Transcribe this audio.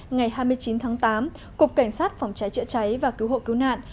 ngày hai mươi chín tháng tám cục cảnh sát phòng cháy chữa cháy và cứu hộ cứu nạn